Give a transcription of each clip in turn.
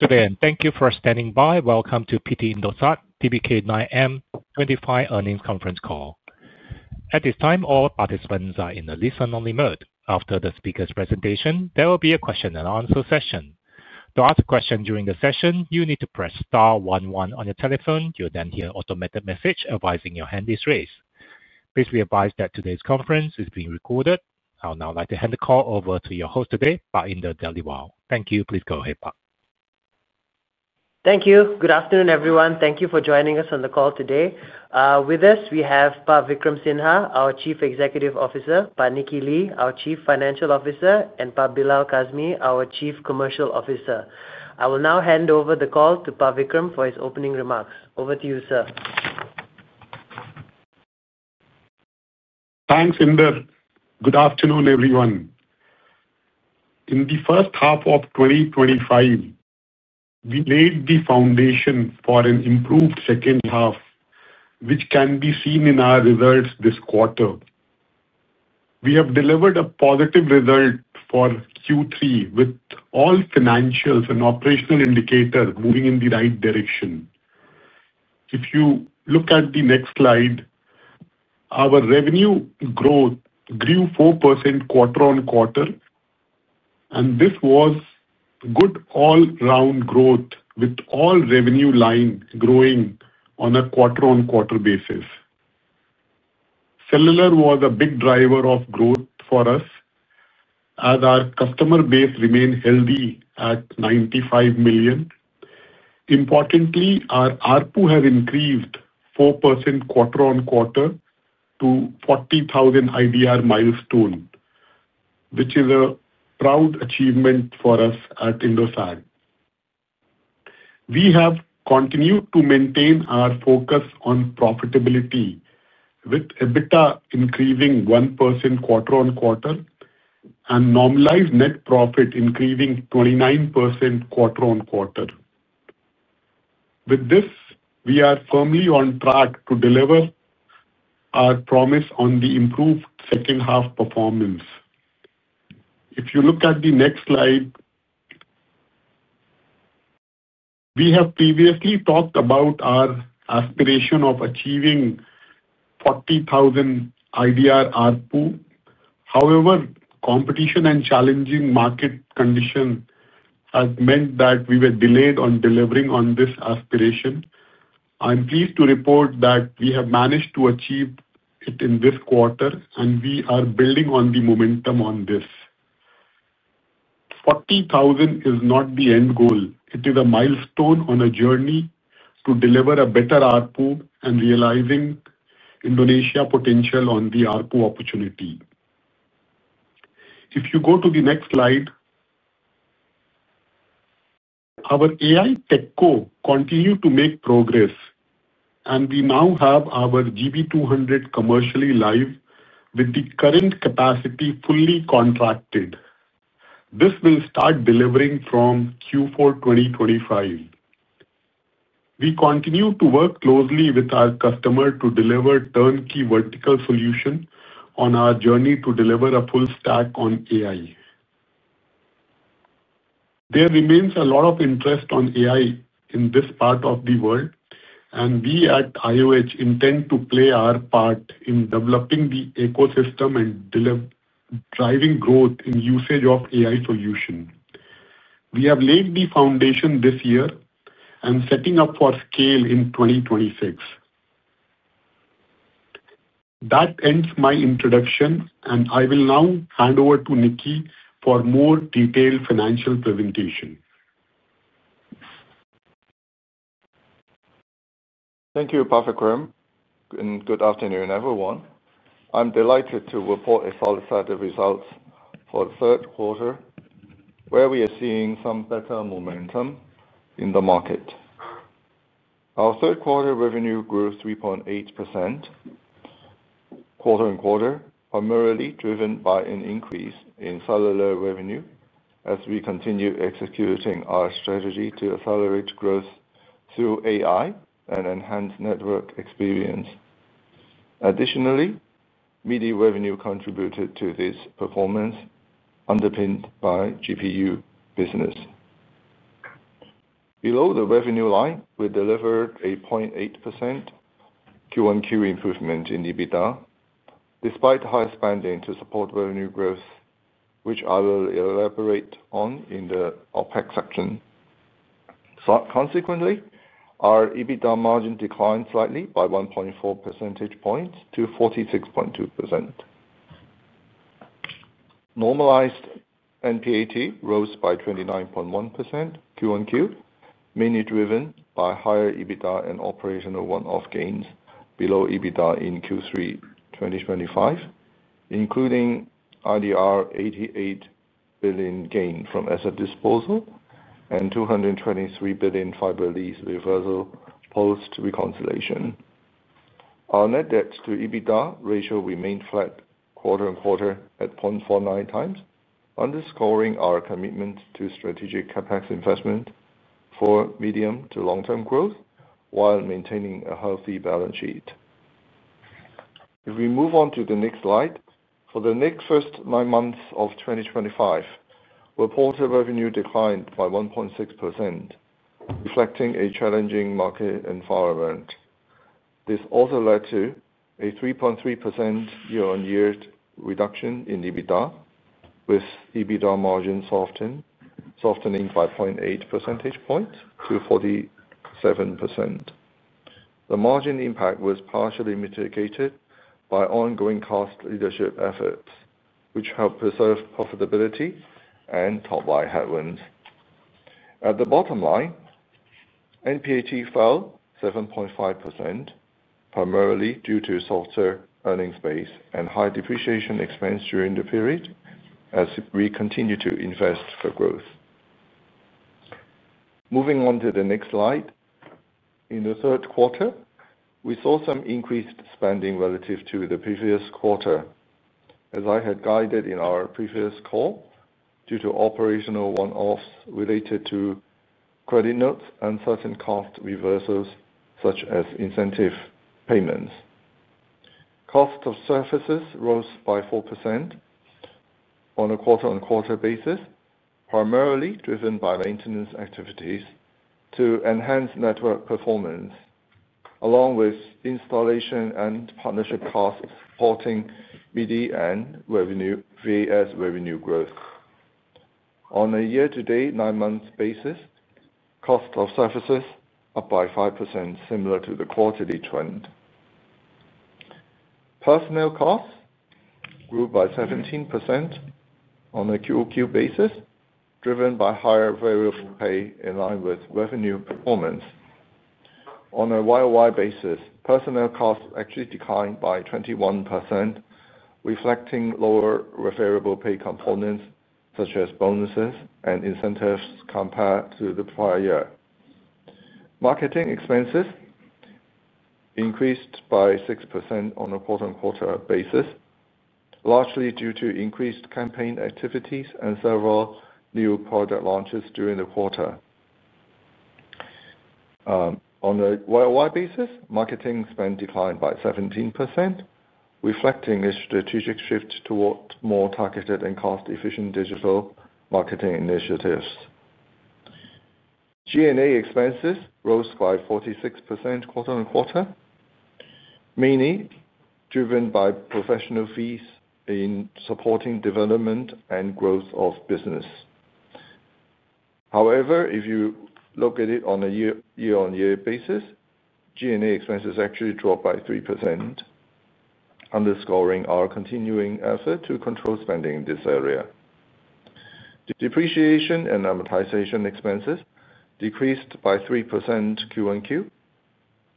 Thank you for standing by. Welcome to PT Indosat Tbk [Q3] 2025 earnings conference call. At this time, all participants are in a listen-only mode. After the speaker's presentation, there will be a question-and-answer session. To ask a question during the session, you need to press star one one on your telephone. You'll then hear an automated message advising your hand is raised. Please be advised that today's conference is being recorded. I would now like to hand the call over to your host today, Pak Indar Dhaliwal. Thank you. Please go ahead, Pak. Thank you. Good afternoon, everyone. Thank you for joining us on the call today. With us, we have Pak Vikram Sinha, our Chief Executive Officer, Pak Nicky Lee, our Chief Financial Officer, and Pak Bilal Kazmi, our Chief Commercial Officer. I will now hand over the call to Pak Vikram for his opening remarks. Over to you, sir. Thanks, Indar. Good afternoon, everyone. In the first half of 2025, we laid the foundation for an improved second half, which can be seen in our results this quarter. We have delivered a positive result for Q3 with all financials and operational indicators moving in the right direction. If you look at the next slide, our revenue growth grew 4% quarter-on-quarter, and this was good all-round growth with all revenue lines growing on a quarter-on-quarter basis. Cellular was a big driver of growth for us as our customer base remained healthy at 95 million. Importantly, our ARPU has increased 4% quarter-on-quarter to 40,000 IDR milestone, which is a proud achievement for us at Indosat. We have continued to maintain our focus on profitability with EBITDA increasing 1% quarter-on-quarter and normalized net profit increasing 29% quarter-on-quarter. With this, we are firmly on track to deliver our promise on the improved second-half performance. If you look at the next slide, we have previously talked about our aspiration of achieving 40,000 IDR ARPU. However, competition and challenging market conditions have meant that we were delayed on delivering on this aspiration. I'm pleased to report that we have managed to achieve it in this quarter, and we are building on the momentum on this. 40,000 is not the end goal. It is a milestone on a journey to deliver a better ARPU and realizing Indonesia's potential on the ARPU opportunity. If you go to the next slide, our AI TechCo continues to make progress, and we now have our GB200 GPU cluster commercially live with the current capacity fully contracted. This will start delivering from Q4 2025. We continue to work closely with our customer to deliver turnkey vertical solutions on our journey to deliver a full stack on AI. There remains a lot of interest in AI in this part of the world, and we at IOH intend to play our part in developing the ecosystem and driving growth in the usage of AI solutions. We have laid the foundation this year and are setting up for scale in 2026. That ends my introduction, and I will now hand over to Nicky for a more detailed financial presentation. Thank you, Pak Vikram, and good afternoon, everyone. I'm delighted to report the solid-sided results for the third quarter, where we are seeing some better momentum in the market. Our third-quarter revenue grew 3.8% quarter-on-quarter, primarily driven by an increase in cellular revenue as we continue executing our strategy to accelerate growth through AI and enhance network experience. Additionally, media revenue contributed to this performance, underpinned by GPU business. Below the revenue line, we delivered a 0.8% QoQ improvement in EBITDA despite high spending to support revenue growth, which I will elaborate on in the OpEx section. Consequently, our EBITDA margin declined slightly by 1.4 percentage points to 46.2%. Normalized NPAT rose by 29.1% QoQ, mainly driven by higher EBITDA and operational one-off gains below EBITDA in Q3 2025, including IDR 88 billion gain from asset disposal and 223 billion fiber lease reversal post-reconciliation. Our net debt to EBITDA ratio remained flat quarter-on-quarter at 0.49x, underscoring our commitment to strategic CapEx investment for medium to long-term growth while maintaining a healthy balance sheet. If we move on to the next slide, for the first nine months of 2025, reported revenue declined by 1.6%, reflecting a challenging market environment. This also led to a 3.3% year-on-year reduction in EBITDA, with EBITDA margin softening by 0.8 percentage points to 47%. The margin impact was partially mitigated by ongoing cost leadership efforts, which helped preserve profitability amid topline headwinds. At the bottom line, net profit fell 7.5% primarily due to softer earnings base and high depreciation expense during the period as we continue to invest for growth. Moving on to the next slide, in the third quarter, we saw some increased spending relative to the previous quarter, as I had guided in our previous call due to operational one-offs related to credit notes and certain cost reversals such as incentive payments. Cost of services rose by 4% on a quarter-on-quarter basis, primarily driven by maintenance activities to enhance network performance along with installation and partnership costs supporting media and VAS revenue growth. On a year-to-date nine-month basis, cost of services was up by 5%, similar to the quarterly trend. Personnel costs grew by 17% on a QoQ basis, driven by higher variable pay in line with revenue performance. On a YoY basis, personnel costs actually declined by 21%, reflecting lower variable pay components such as bonuses and incentives compared to the prior year. Marketing expenses increased by 6% on a quarter-on-quarter basis, largely due to increased campaign activities and several new product launches during the quarter. On a YoY basis, marketing spend declined by 17%, reflecting a strategic shift towards more targeted and cost-efficient digital marketing initiatives. G&A expenses rose by 46% quarter-on-quarter, mainly driven by professional fees in supporting development and growth of business. However, if you look at it on a year-on-year basis, G&A expenses actually dropped by 3%, underscoring our continuing effort to control spending in this area. Depreciation and amortization expenses decreased by 3% QoQ,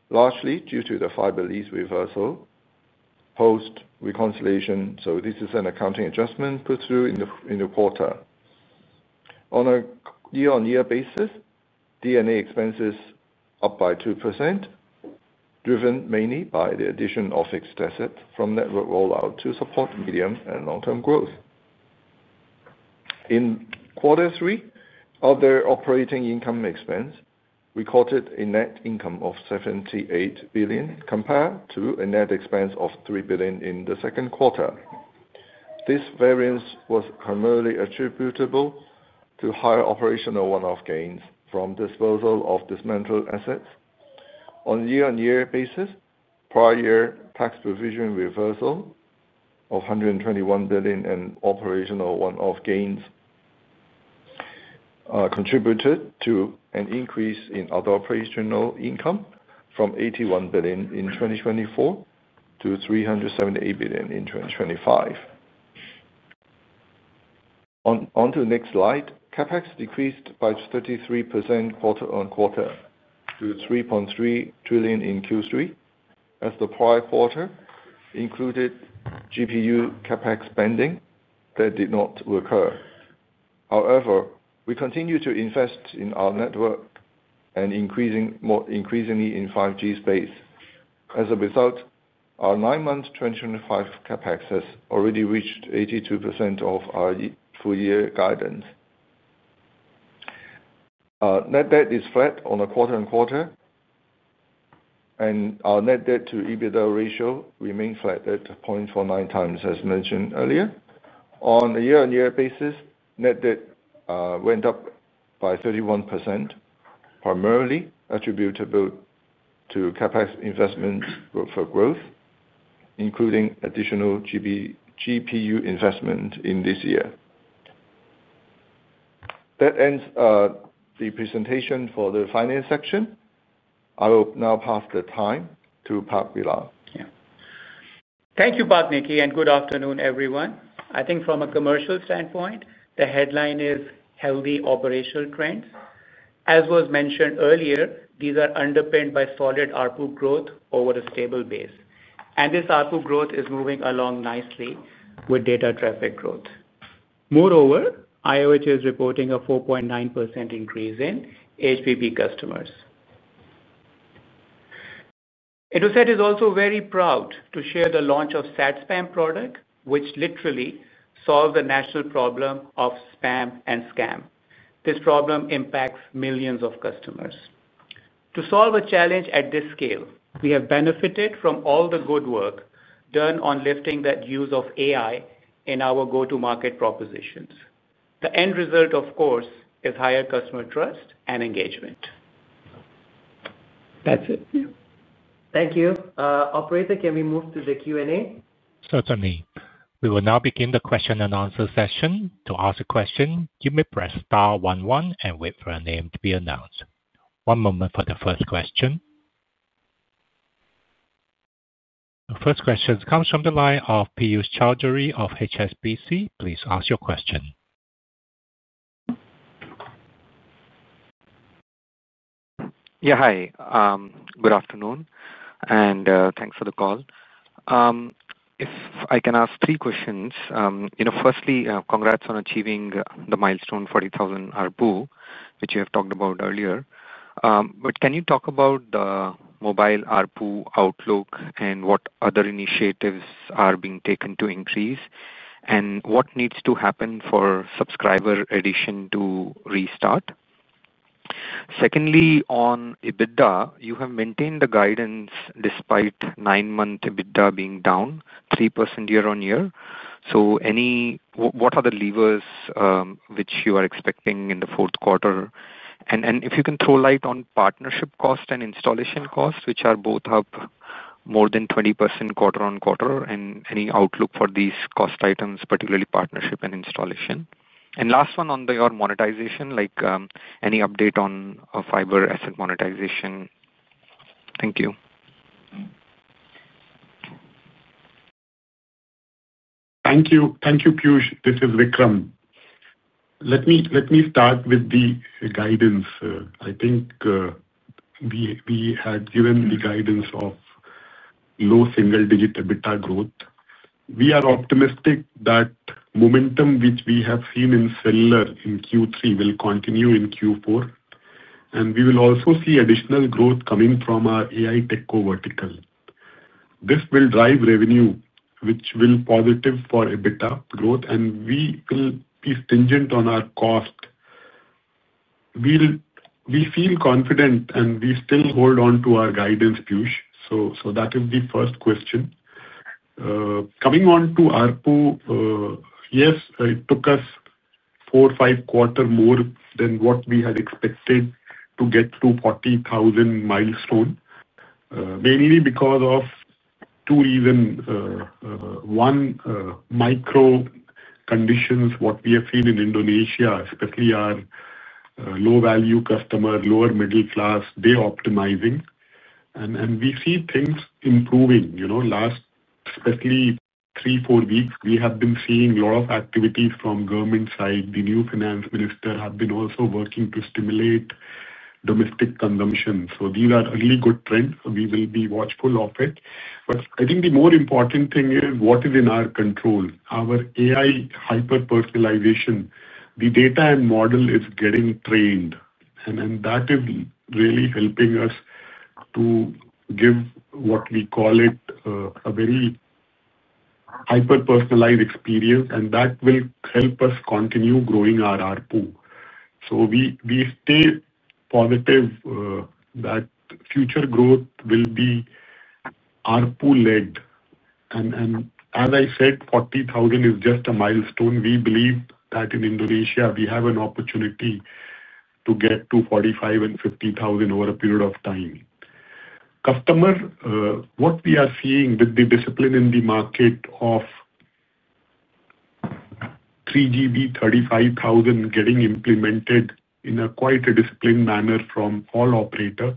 largely due to the fiber lease reversals post-reconciliation. This is an accounting adjustment put through in the quarter. On a year-on-year basis, G&A expenses are up by 2%, driven mainly by the addition of fixed assets from network rollout to support medium and long-term growth. In quarter three, other operating income expense, we quoted a net income of 78 billion compared to a net expense of 3 billion in the second quarter. This variance was primarily attributable to high operational one-off gains from disposal of dismantled assets. On a year-on-year basis, prior year tax provision reversal of 121 billion and operational one-off gains contributed to an increase in other operational income from 81 billion in 2024 to 378 billion in 2025. On to the next slide, CapEx decreased by 33% quarter-on-quarter to 3.3 trillion in Q3 as the prior quarter included GPU CapEx spending that did not recur. We continue to invest in our network and increasingly in 5G space. As a result, our nine-month 2025 CapEx has already reached 82% of our full-year guidance. Net debt is flat on a quarter-on-quarter, and our net debt to EBITDA ratio remained flat at 0.49x, as mentioned earlier. On a year-on-year basis, net debt went up by 31%, primarily attributable to CapEx investments for growth, including additional GPU investment in this year. That ends the presentation for the finance section. I will now pass the time to Pak Bilal. Thank you, Pak Nicky, and good afternoon, everyone. I think from a commercial standpoint, the headline is healthy operational trends. As was mentioned earlier, these are underpinned by solid ARPU growth over a stable base. This ARPU growth is moving along nicely with data traffic growth. Moreover, IOH is reporting a 4.9% increase in HPB customers. Indosat is also very proud to share the launch of the SAD Spam product, which literally solves the national problem of spam and scam. This problem impacts millions of customers. To solve a challenge at this scale, we have benefited from all the good work done on lifting that use of AI in our go-to-market propositions. The end result, of course, is higher customer trust and engagement. That's it. Thank you. Operator, can we move to the Q&A? Certainly. We will now begin the question-and-answer session. To ask a question, you may press star one one and wait for a name to be announced. One moment for the first question. The first question comes from the line of Piyush Choudhary of HSBC. Please ask your question. Yeah, hi. Good afternoon, and thanks for the call. If I can ask three questions. Firstly, congrats on achieving the milestone 40,000 ARPU, which you have talked about earlier. Can you talk about the mobile ARPU outlook and what other initiatives are being taken to increase, and what needs to happen for subscriber addition to restart? Secondly, on EBITDA, you have maintained the guidance despite nine-month EBITDA being down 3% year-on-year. What are the levers which you are expecting in the fourth quarter? If you can throw light on partnership cost and installation cost, which are both up more than 20% quarter-on-quarter, and any outlook for these cost items, particularly partnership and installation? Last one on your monetization, any update on fiber asset monetization? Thank you. Thank you. Thank you, Piyush. This is Vikram. Let me start with the guidance. I think we had given the guidance of low single-digit EBITDA growth. We are optimistic that momentum which we have seen in cellular in Q3 will continue in Q4. We will also see additional growth coming from our AI TechCo vertical. This will drive revenue, which will be positive for EBITDA growth, and we will be stringent on our cost. We feel confident, and we still hold on to our guidance, Piyush. That is the first question. Coming on to ARPU, yes, it took us four or five quarters more than what we had expected to get through the 40,000 milestone, mainly because of two reasons. One, micro conditions, what we have seen in Indonesia, especially our low-value customers, lower middle class, they're optimizing. We see things improving. Last, especially three, four weeks, we have been seeing a lot of activities from the government side. The new finance minister has been also working to stimulate domestic consumption. These are really good trends. We will be watchful of it. I think the more important thing is what is in our control, our AI hyper-personalization. The data and model is getting trained. That is really helping us to give what we call it a very hyper-personalized experience. That will help us continue growing our ARPU. We stay positive that future growth will be ARPU-led. As I said, 40,000 is just a milestone. We believe that in Indonesia, we have an opportunity to get to 45,000 and 50,000 over a period of time. Customer, what we are seeing with the discipline in the market of 3GB, 35,000 getting implemented in quite a disciplined manner from all operators,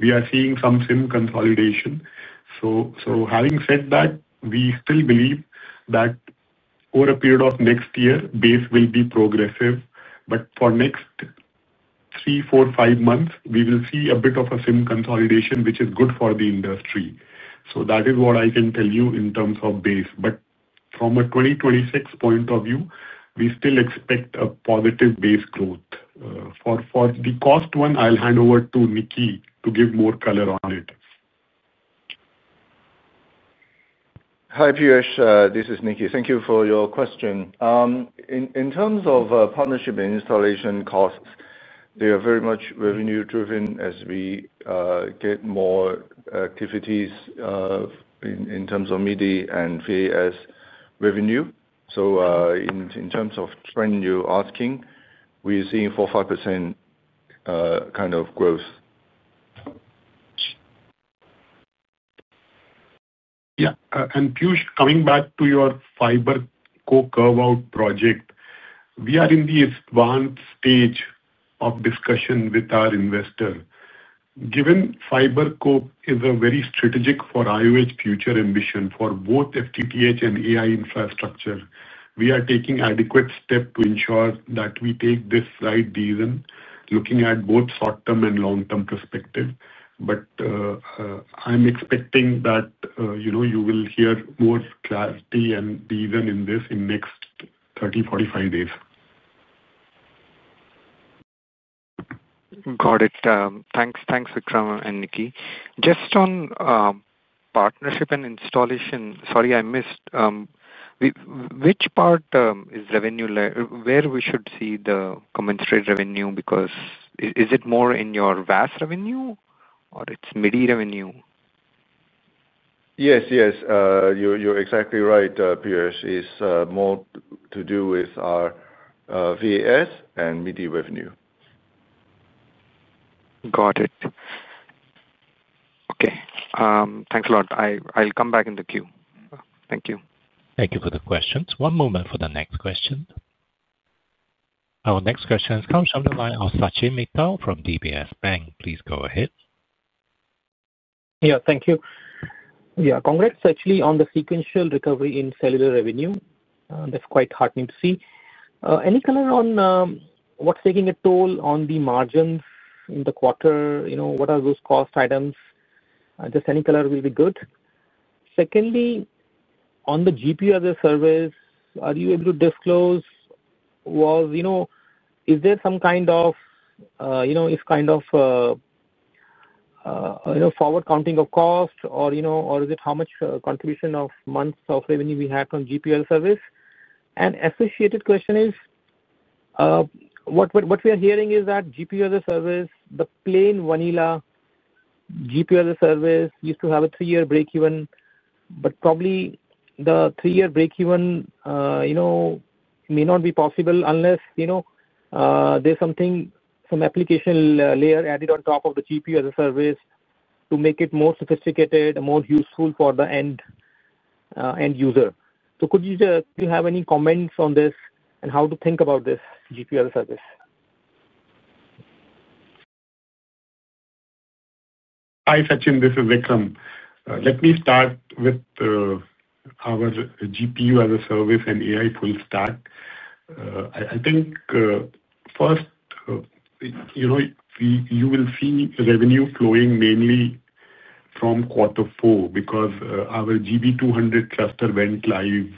we are seeing some SIM consolidation. Having said that, we still believe that over a period of next year, base will be progressive. For the next three, four, five months, we will see a bit of a SIM consolidation, which is good for the industry. That is what I can tell you in terms of base. From a 2026 point of view, we still expect a positive base growth. For the cost one, I'll hand over to Nicky to give more color on it. Hi, Piyush. This is Nicky. Thank you for your question. In terms of partnership and installation costs, they are very much revenue-driven as we get more activities in terms of media and VAS revenue. In terms of trend you're asking, we're seeing 4%, 5% kind of growth. Yeah. Piyush, coming back to your FiberCo carve-out project, we are in the advanced stage of discussion with our investor. Given FiberCo is very strategic for IOH's future ambition for both FTTH and AI infrastructure, we are taking adequate steps to ensure that we take this right decision, looking at both short-term and long-term perspective. I'm expecting that you will hear more clarity and reason in this in the next 30, 45 days. Got it. Thanks, Vikram and Nicky. Just on partnership and installation, sorry, I missed which part is revenue-led, where we should see the commensurate revenue. Is it more in your VAS revenue or its media revenue? Yes, yes. You're exactly right, Piyush. It's more to do with our VAS and media revenue. Got it. Okay, thanks a lot. I'll come back in the queue. Thank you. Thank you for the questions. One moment for the next question. Our next question comes from the line of Sachin Mittal from DBS Bank. Please go ahead. Yeah, thank you. Yeah, congrats actually on the sequential recovery in cellular revenue. That's quite heartening to see. Any color on what's taking a toll on the margins in the quarter? What are those cost items? Just any color will be good. Secondly, on the GPU-as-a-service, are you able to disclose? Is there some kind of forward counting of cost, or is it how much contribution of months of revenue we had on GPU-as-a-service? The associated question is, what we are hearing is that GPU-as-a-service, the plain vanilla GPU-as-a-service, used to have a three-year break even, but probably the three-year break even may not be possible unless there's something, some application layer added on top of the GPU-as-a-service to make it more sophisticated and more useful for the end user. Could you have any comments on this and how to think about this GPU-as-a-service? Hi, Sachin. This is Vikram. Let me start GPU-as-a-service and AI full stack. I think, first, you know, you will see revenue flowing mainly from quarter four because our GB200 cluster went live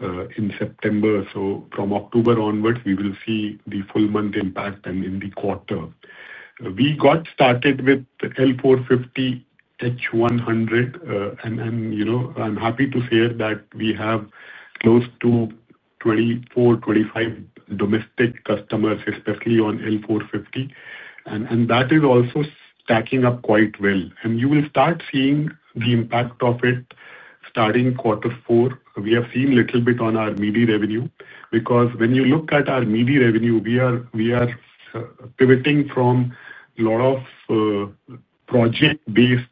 in September. From October onwards, we will see the full month impact and in the quarter. We got started with L450/H100, and you know, I'm happy to say that we have close to 24, 25 domestic customers, especially on L450. That is also stacking up quite well. You will start seeing the impact of it starting quarter four. We have seen a little bit on our media revenue because when you look at our media revenue, we are pivoting from a lot of project-based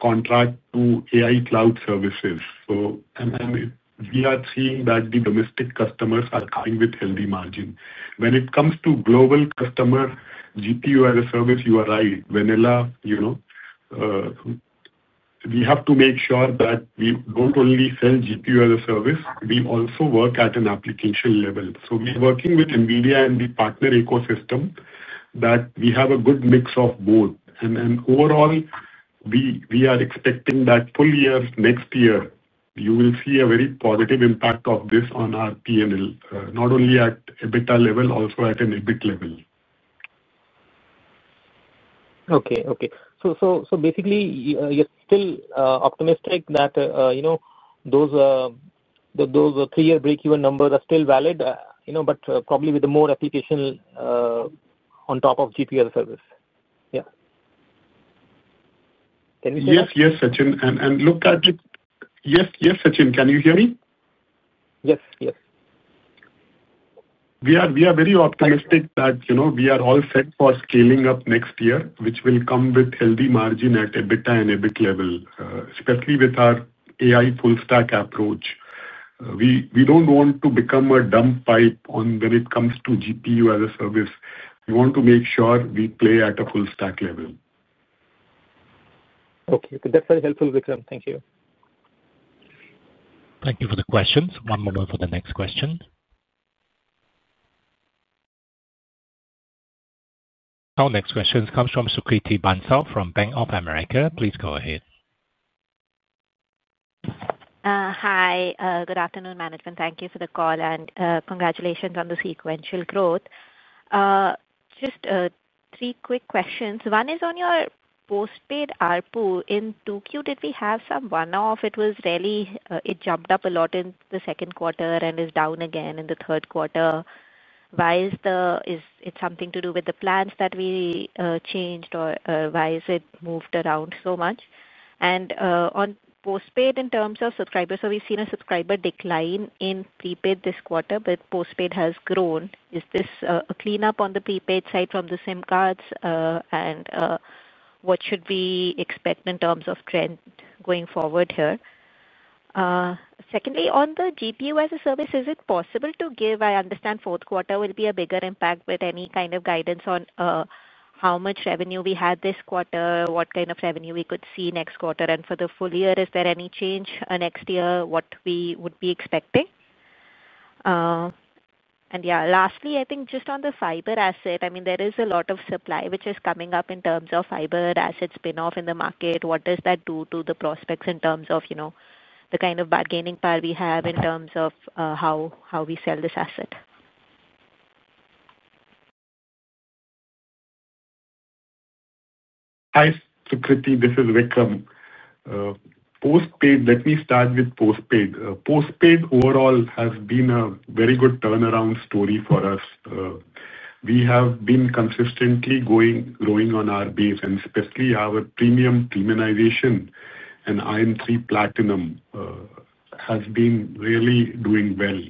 contracts to AI cloud services. We are seeing that the domestic customers are coming with healthy margins. When it comes to GPU-as-a-service, you are right. Vanilla, you know, we have to make sure that we don't GPU-as-a-service, we also work at an application level. We are working with NVIDIA and the partner ecosystem that we have a good mix of both. Overall, we are expecting that full year next year, you will see a very positive impact of this on our P&L, not only at EBITDA level, also at an EBIT level. Okay. Basically, you're still optimistic that, you know, those three-year break-even numbers are still valid, you know, but probably with more application on top of GPU-as-a-service. Yeah. Can you say that? Yes, Sachin. Can you hear me? Yes, yes. We are very optimistic that we are all set for scaling up next year, which will come with healthy margins at EBITDA and EBIT level, especially with our AI full stack approach. We don't want to become a dumb pipe when it comes to GPU service. We want to make sure we play at a full stack level. Okay. That's very helpful, Vikram. Thank you. Thank you for the questions. One moment for the next question. Our next question comes from Sukriti Bansal from Bank of America. Please go ahead. Hi. Good afternoon, management. Thank you for the call and congratulations on the sequential growth. Just three quick questions. One is on your postpaid ARPU. In Q2, did we have some one-off? It was really, it jumped up a lot in the second quarter and is down again in the third quarter. Is it something to do with the plans that we changed or why has it moved around so much? On postpaid in terms of subscribers, we've seen a subscriber decline in prepaid this quarter, but postpaid has grown. Is this a cleanup on the prepaid side from the SIM cards? What should we expect in terms of trend going forward here? Secondly, on the GPU service, is it possible to give, I understand, fourth quarter will be a bigger impact with any kind of guidance on how much revenue we had this quarter, what kind of revenue we could see next quarter? For the full year, is there any change next year what we would be expecting? Lastly, just on the fiber asset, there is a lot of supply which is coming up in terms of fiber asset spin-off in the market. What does that do to the prospects in terms of the kind of bargaining power we have in terms of how we sell this asset? Hi, Sukriti. This is Vikram. Postpaid, let me start with postpaid. Postpaid overall has been a very good turnaround story for us. We have been consistently growing on our base, and especially our premium demonization and IM3 Platinum has been really doing well.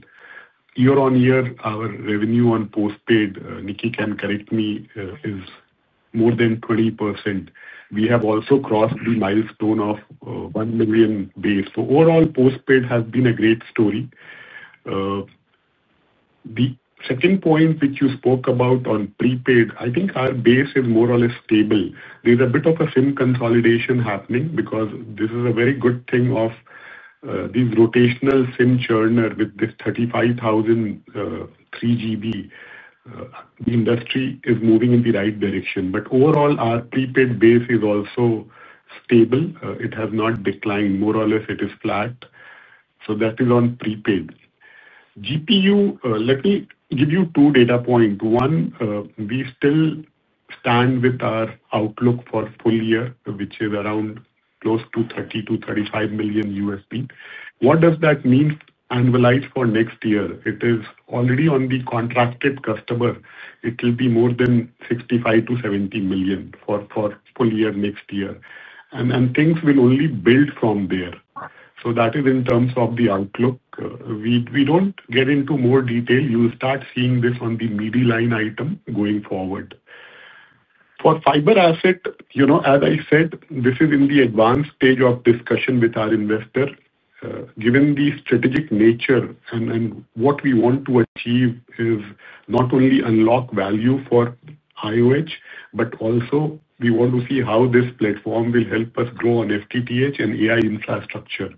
Year-on-year, our revenue on postpaid, Nicky can correct me, is more than 20%. We have also crossed the milestone of 1 million base. Overall, postpaid has been a great story. The second point which you spoke about on prepaid, I think our base is more or less stable. There's a bit of a SIM consolidation happening because this is a very good thing of these rotational SIM churners with this 35,000 3GB. The industry is moving in the right direction. Overall, our prepaid base is also stable. It has not declined. More or less, it is flat. That is on prepaid. GPU, let me give you two data points. One, we still stand with our outlook for full year, which is around close to $30 million-$35 million. What does that mean annualized for next year? It is already on the contracted customer. It will be more than $65 million-$70 million for full year next year, and things will only build from there. That is in terms of the outlook. We don't get into more detail. You will start seeing this on the media line item going forward. For fiber asset, as I said, this is in the advanced stage of discussion with our investor. Given the strategic nature and what we want to achieve is not only unlock value for IOH, but also we want to see how this platform will help us grow on FTTH and AI infrastructure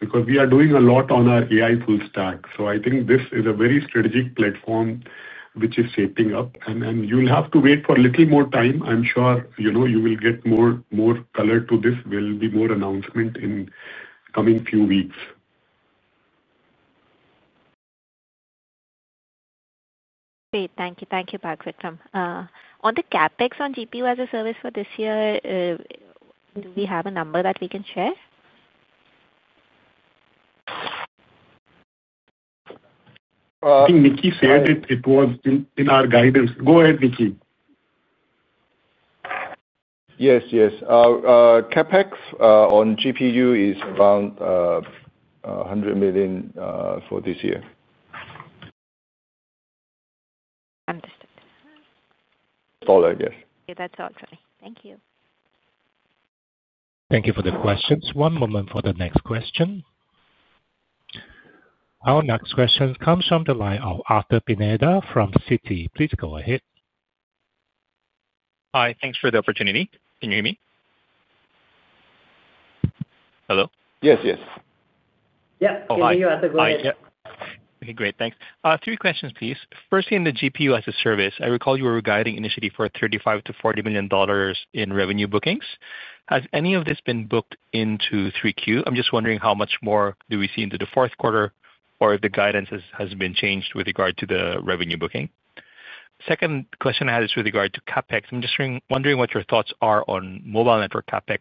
because we are doing a lot on our AI full stack. I think this is a very strategic platform which is shaping up. You'll have to wait for a little more time. I'm sure you will get more color to this. There will be more announcements in the coming few weeks. Great. Thank you. Thank you, Pak Vikram. On the CapEx on GPU-as-a-service for this year, do we have a number that we can share? I think Nicky shared it. It was in our guidance. Go ahead, Nicky. Yes, yes. CapEx on GPU is around $100 million for this year. Understood. Dollar, yes. Okay, that's all for me. Thank you. Thank you for the questions. One moment for the next question. Our next question comes from the line of Arthur Pineda from Citi. Please go ahead. Hi, thanks for the opportunity. Can you hear me? Hello? Yes, yes. Yeah, can you hear us as well? Okay. Great. Thanks. Three questions, please. Firstly, in the GPU-as-a-service, I recall you were guiding initially for $35 million-$40 million in revenue bookings. Has any of this been booked into 3Q? I'm just wondering how much more do we see into the fourth quarter or if the guidance has been changed with regard to the revenue booking. The second question I had is with regard to CapEx. I'm just wondering what your thoughts are on mobile network CapEx.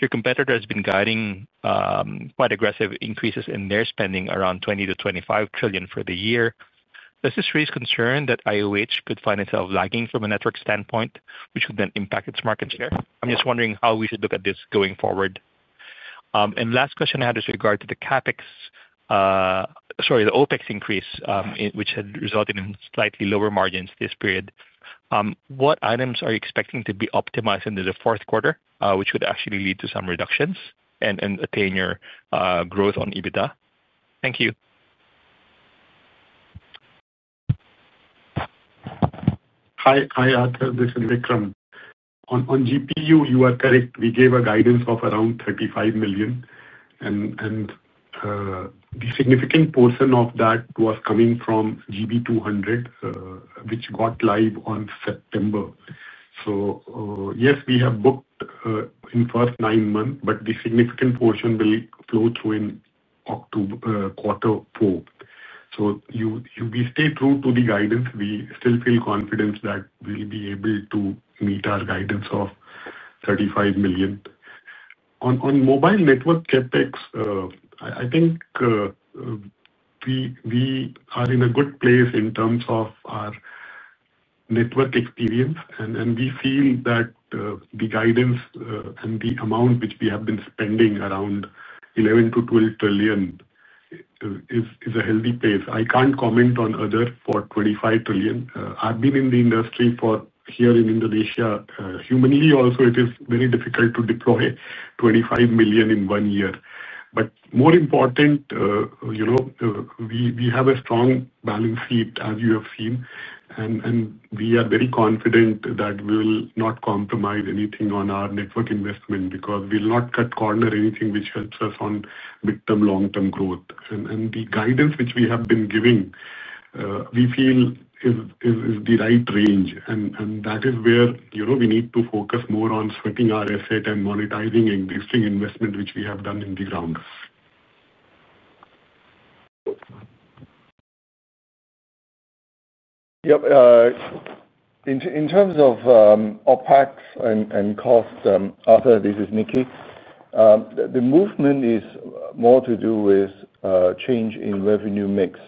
Your competitor has been guiding quite aggressive increases in their spending around 20 trillion-25 trillion for the year. Does this raise concern that IOH could find itself lagging from a network standpoint, which could then impact its market share? I'm just wondering how we should look at this going forward. The last question I had is with regard to the CapEx, sorry, the OpEx increase, which had resulted in slightly lower margins this period. What items are you expecting to be optimized into the fourth quarter, which would actually lead to some reductions and attain your growth on EBITDA? Thank you. Hi, Arthur. This is Vikram. On GPU, you are correct. We gave a guidance of around $35 million, and the significant portion of that was coming from GB200, which got live in September. Yes, we have booked in the first nine months, but the significant portion will flow through in quarter four. If we stay true to the guidance, we still feel confident that we'll be able to meet our guidance of $35 million. On mobile network CapEx, I think we are in a good place in terms of our network experience. We feel that the guidance and the amount which we have been spending, around 11 trillion-12 trillion, is a healthy place. I can't comment on others for 25 trillion. I've been in the industry here in Indonesia. Humanly, also, it is very difficult to deploy $25 million in one year. More important, you know we have a strong balance sheet, as you have seen. We are very confident that we will not compromise anything on our network investment because we'll not cut corners or anything which helps us on mid-term, long-term growth. The guidance which we have been giving, we feel is the right range. That is where we need to focus more on spreading our asset and monetizing existing investment, which we have done in the grounds. Yep. In terms of OpEx and cost, Arthur, this is Nicky. The movement is more to do with a change in revenue mix.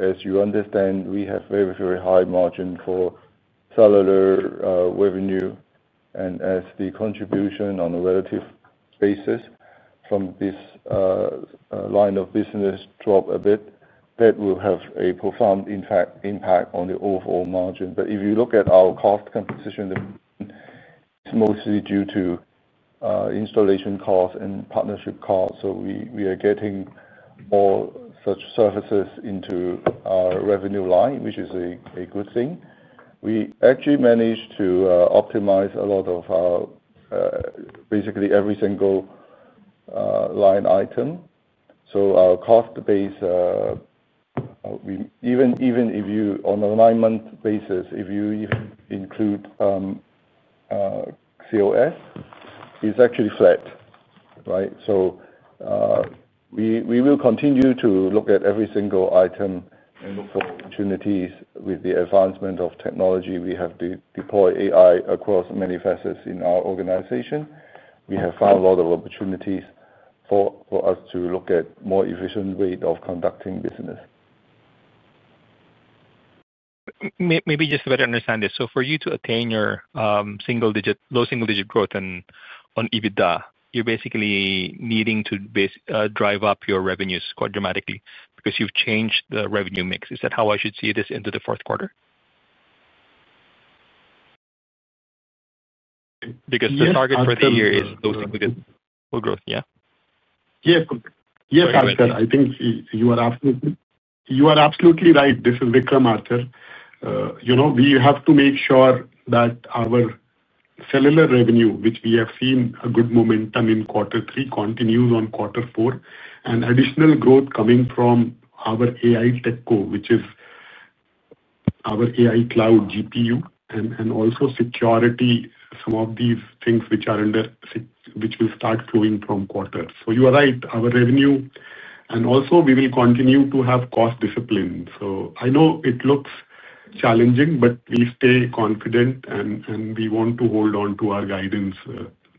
As you understand, we have very, very high margin for cellular revenue. As the contribution on a relative basis from this line of business drops a bit, that will have a profound impact on the overall margin. If you look at our cost composition, it's mostly due to installation costs and partnership costs. We are getting all such services into our revenue line, which is a good thing. We actually managed to optimize a lot of our, basically, every single line item. Our cost base, even if you on a nine-month basis, if you include COS, it's actually flat, right? We will continue to look at every single item and look for opportunities. With the advancement of technology, we have to deploy AI across many facets in our organization. We have found a lot of opportunities for us to look at a more efficient way of conducting business. Maybe just to better understand this. For you to attain your low single-digit growth on EBITDA, you're basically needing to drive up your revenues quite dramatically because you've changed the revenue mix. Is that how I should see this into the fourth quarter? The target for the year is low single-digit growth, yeah? Yes. Yes, Arthur. I think you are absolutely right. This is Vikram, Arthur. You know we have to make sure that our cellular revenue, which we have seen a good momentum in quarter three, continues on quarter four. Additional growth coming from our AI TechCo, which is our AI cloud GPU, and also security, some of these things which are under which will start flowing from quarter. You are right. Our revenue, and also we will continue to have cost discipline. I know it looks challenging, but we stay confident and we want to hold on to our guidance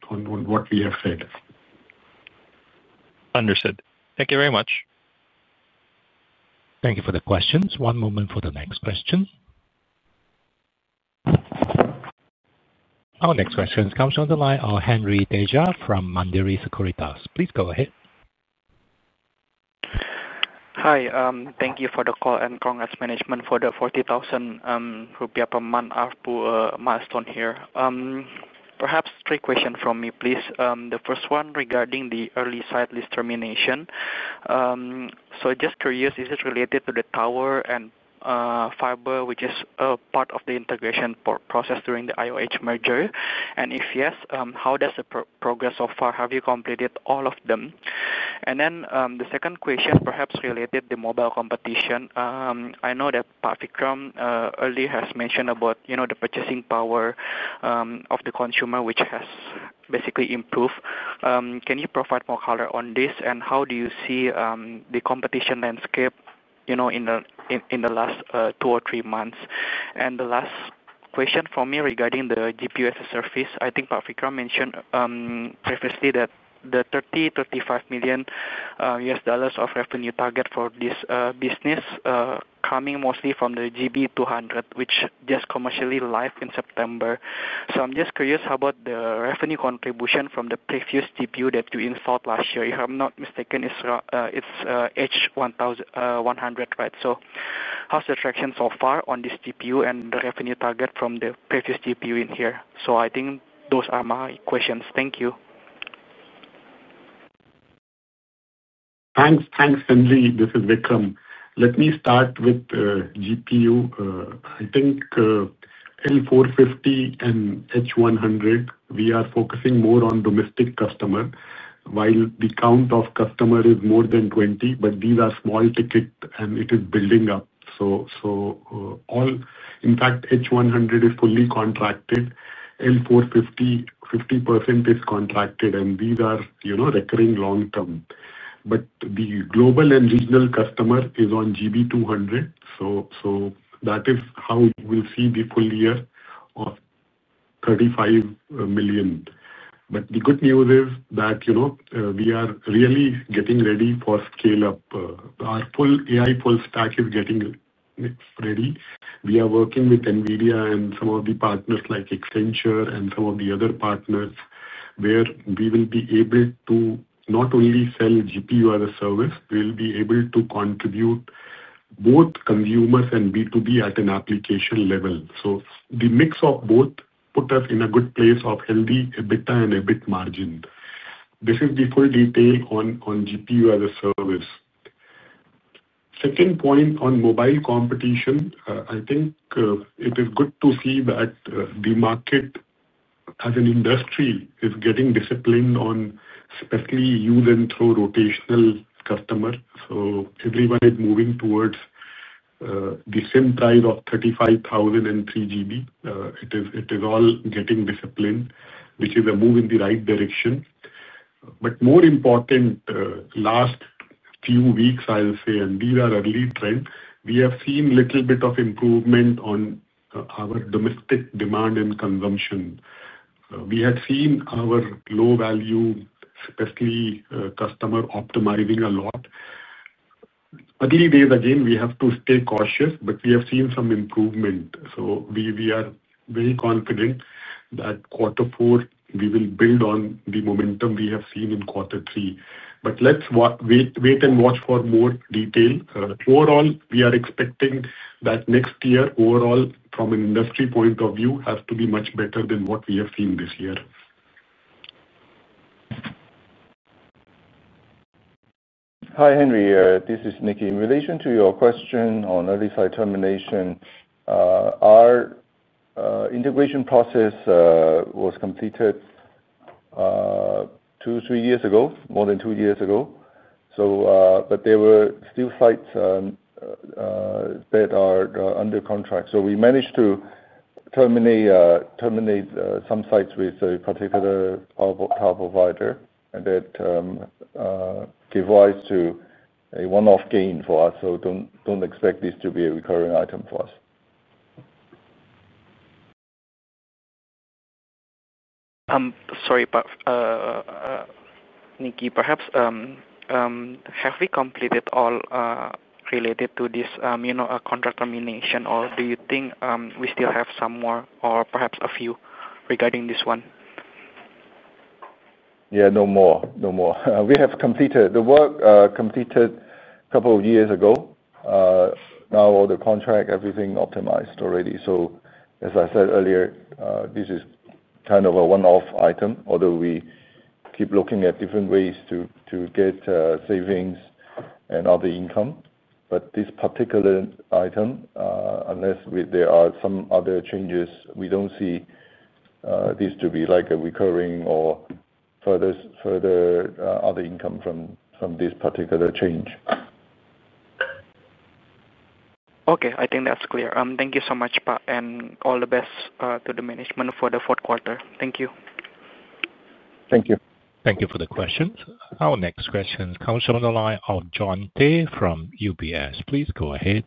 on what we have said. Understood. Thank you very much. Thank you for the questions. One moment for the next question. Our next question comes from the line of Henry Tedja from Mandiri Sekuritas. Please go ahead. Hi. Thank you for the call and congrats management for the 40,000 rupiah per month ARPU milestone here. Perhaps three questions from me, please. The first one regarding the early site lease termination. Just curious, is it related to the tower and fiber, which is a part of the integration process during the IOH merger? If yes, how is the progress so far? Have you completed all of them? The second question, perhaps related to the mobile competition. I know that Pak Vikram earlier has mentioned about the purchasing power of the consumer, which has basically improved. Can you provide more color on this? How do you see the competition landscape in the last two or three months? The last question from me regarding the GPU-as-a-service, I think Pak Vikram mentioned previously that the $30 million-$35 million revenue target for this business is coming mostly from the GB200, which just commercially launched in September. I'm just curious about the revenue contribution from the previous GPU that you installed last year. If I'm not mistaken, it's H100, right? How's the traction so far on this GPU and the revenue target from the previous GPU in here? I think those are my questions. Thank you. Thanks. Thanks, Henry. This is Vikram. Let me start with the GPU. I think L450 and H100, we are focusing more on domestic customers, while the count of customers is more than 20, but these are small tickets and it is building up. In fact, H100 is fully contracted. L450, 50% is contracted, and these are recurring long term. The global and regional customer is on GB200. That is how you will see the full year of $35 million. The good news is that we are really getting ready for scale-up. Our full AI full stack is getting ready. We are working with NVIDIA and some of the partners like Accenture and some of the other partners where we will be able to not only sell GPU-as-a-service, we will be able to contribute both consumers and B2B at an application level. The mix of both puts us in a good place of healthy EBITDA and EBIT margins. This is the full detail on GPU-as-a-service. Second point on mobile competition, I think it is good to see that the market as an industry is getting disciplined on especially use and throw rotational customers. Everyone is moving towards the SIM price of 35,000 and 3GB. It is all getting disciplined, which is a move in the right direction. More important, the last few weeks, I'll say, and these are early trends, we have seen a little bit of improvement on our domestic demand and consumption. We had seen our low-value, especially customer optimizing a lot. Early days, again, we have to stay cautious, but we have seen some improvement. We are very confident that quarter four, we will build on the momentum we have seen in quarter three. Let's wait and watch for more detail. Overall, we are expecting that next year, overall, from an industry point of view, has to be much better than what we have seen this year. Hi, Henry. This is Nicky. In relation to your question on early site termination, our integration process was completed two or three years ago, more than two years ago. There were still sites that are under contract. We managed to terminate some sites with a particular tower provider, and that gave rise to a one-off gain for us. Don't expect this to be a recurring item for us. I'm sorry, but Nicky, perhaps have we completed all related to this contract termination, or do you think we still have some more, or perhaps a few regarding this one? Yeah, no more. We have completed the work a couple of years ago. Now all the contract, everything is optimized already. As I said earlier, this is kind of a one-off item, although we keep looking at different ways to get savings and other income. This particular item, unless there are some other changes, we don't see this to be like a recurring or further other income from this particular change. Okay. I think that's clear. Thank you so much, Pak, and all the best to the management for the fourth quarter. Thank you. Thank you. Thank you for the questions. Our next question comes from the line of John Tay from UBS. Please go ahead.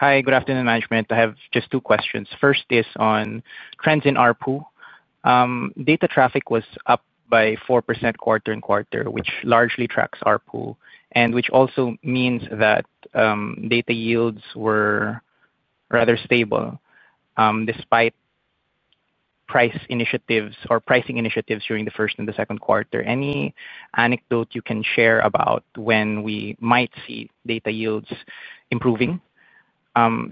Hi. Good afternoon, management. I have just two questions. First is on trends in ARPU. Data traffic was up by 4% quarter-on-quarter, which largely tracks ARPU, and which also means that data yields were rather stable despite price initiatives or pricing initiatives during the first and the second quarter. Any anecdote you can share about when we might see data yields improving?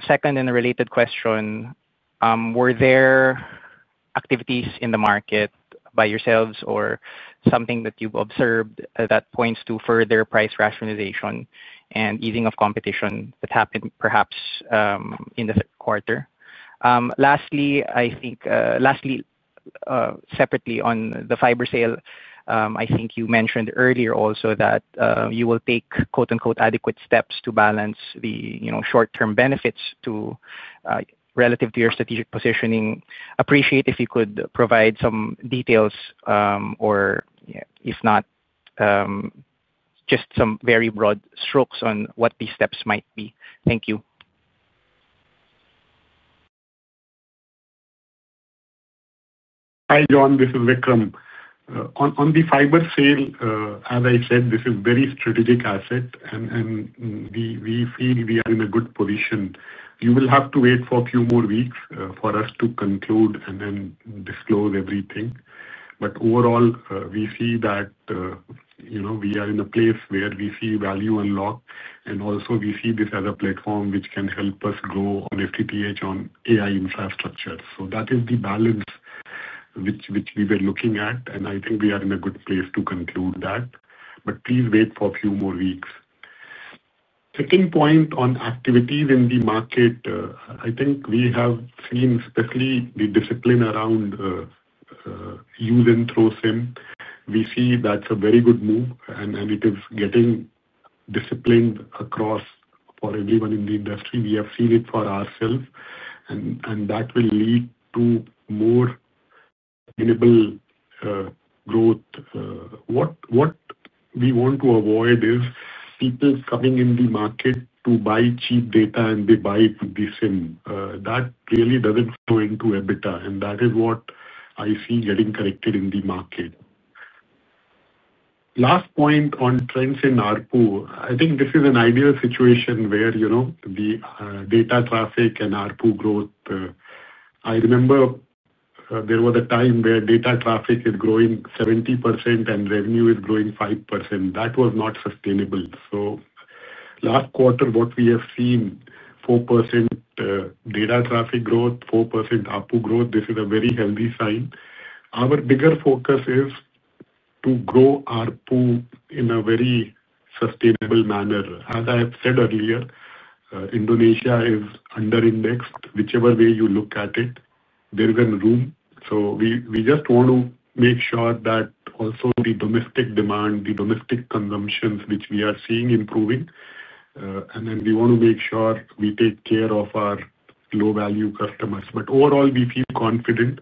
Second, in a related question, were there activities in the market by yourselves or something that you've observed that points to further price rationalization and easing of competition that happened perhaps in the third quarter? Lastly, I think separately on the fiber sale, I think you mentioned earlier also that you will take, quote-unquote, "adequate steps" to balance the short-term benefits relative to your strategic positioning. Appreciate if you could provide some details, or if not, just some very broad strokes on what these steps might be. Thank you. Hi, John. This is Vikram. On the fiber sale, as I said, this is a very strategic asset, and we feel we are in a good position. You will have to wait for a few more weeks for us to conclude and then disclose everything. Overall, we see that we are in a place where we see value unlocked, and also we see this as a platform which can help us grow on FTTH and AI infrastructure. That is the balance which we were looking at, and I think we are in a good place to conclude that. Please wait for a few more weeks. Second point on activities in the market, I think we have seen especially the discipline around use and throw SIM. We see that's a very good move, and it is getting disciplined across for everyone in the industry. We have seen it for ourselves, and that will lead to more sustainable growth. What we want to avoid is people coming in the market to buy cheap data, and they buy the SIM. That clearly doesn't flow into EBITDA, and that is what I see getting corrected in the market. Last point on trends in ARPU, I think this is an ideal situation where the data traffic and ARPU growth. I remember there was a time where data traffic is growing 70% and revenue is growing 5%. That was not sustainable. Last quarter, what we have seen, 4% data traffic growth, 4% ARPU growth, this is a very healthy sign. Our bigger focus is to grow ARPU in a very sustainable manner. As I have said earlier, Indonesia is under-indexed. Whichever way you look at it, there isn't room. We just want to make sure that also the domestic demand, the domestic consumptions, which we are seeing improving, and then we want to make sure we take care of our low-value customers. Overall, we feel confident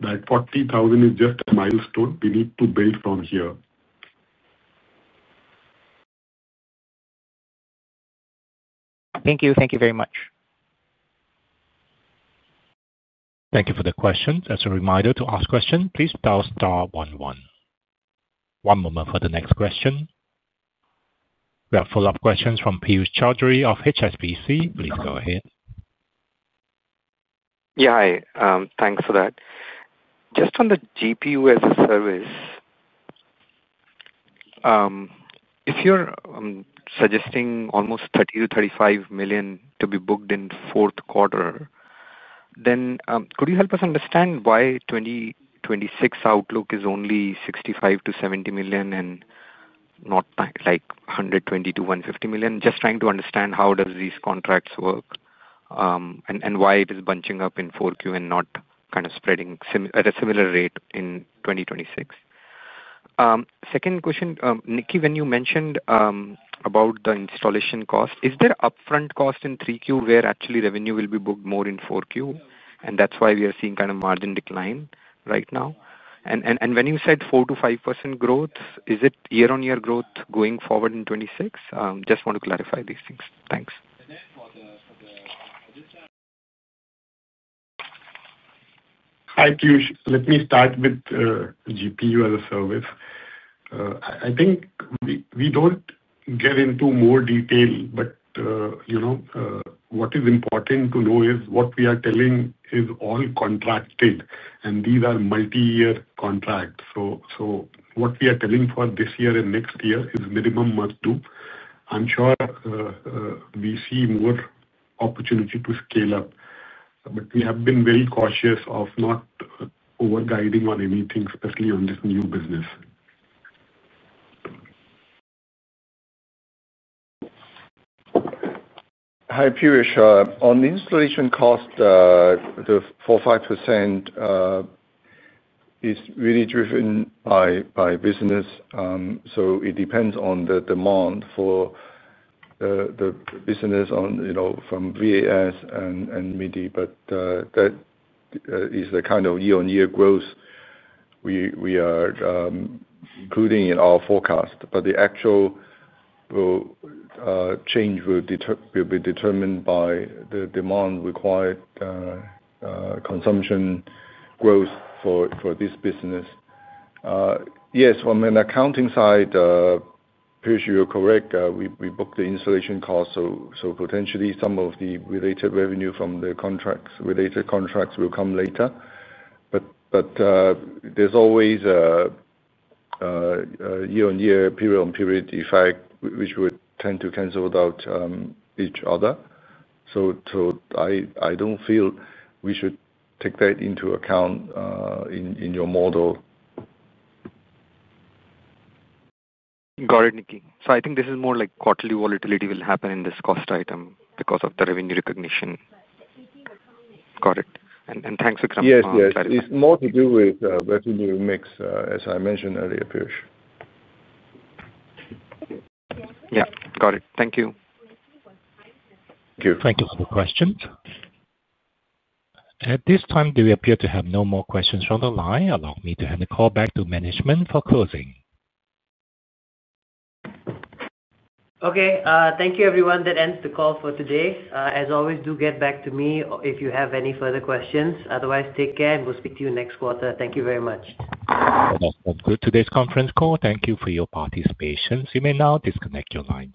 that 40,000 is just a milestone. We need to build from here. Thank you. Thank you very much. Thank you for the questions. As a reminder, to ask questions, please dial star one one. One moment for the next question. We have follow-up questions from Piyush Choudhary of HSBC. Please go ahead. Yeah, hi. Thanks for that. Just on the GPU-as-a-service, if you're suggesting almost $30 million-$35 million to be booked in the fourth quarter, then could you help us understand why the 2026 outlook is only $65 million-$70 million and not like $120 million-$150 million? Just trying to understand how do these contracts work and why it is bunching up in 4Q and not kind of spreading at a similar rate in 2026. Second question, Nicky, when you mentioned about the installation cost, is there upfront cost in 3Q where actually revenue will be booked more in 4Q? That's why we are seeing kind of margin decline right now. When you said 4%-5% growth, is it year-on-year growth going forward in 2026? Just want to clarify these things. Thanks. Hi, Piyush. Let me start with GPU-as-a-service. I think we don't get into more detail, but you know what is important to know is what we are telling is all contracted, and these are multi-year contracts. What we are telling for this year and next year is minimum ARPU. I'm sure we see more opportunity to scale up, but we have been very cautious of not over-guiding on anything, especially on this new business. Hi, Piyush. On the installation cost, the 4%, 5% is really driven by business. It depends on the demand for the business from VAS and media. That is the kind of year-on-year growth we are including in our forecast. The actual change will be determined by the demand required consumption growth for this business. Yes, from an accounting side, Piyush, you're correct. We book the installation cost. Potentially, some of the related revenue from the contracts, related contracts will come later. There's always a year-on-year, period-on-period effect, which would tend to cancel out each other. I don't feel we should take that into account in your model. Got it, Nicky. I think this is more like quarterly volatility will happen in this cost item because of the revenue recognition. Got it. Thanks for clarifying that. Yes, yes. It's more to do with revenue mix, as I mentioned earlier, Piyush. Yeah, got it. Thank you. Thank you. Thank you for the questions. At this time, there appear to be no more questions on the line. Allow me to hand the call back to management for closing. Okay. Thank you, everyone. That ends the call for today. As always, do get back to me if you have any further questions. Otherwise, take care, and we'll speak to you next quarter. Thank you very much. That concludes today's conference call. Thank you for your participation. You may now disconnect your line.